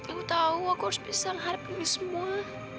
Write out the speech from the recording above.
aku tahu aku harus bisa menghadap ini semua